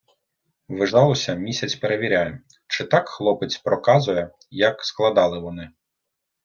Ввижалося - місяць перевіряє, чи так хлопець проказує, як складали вони.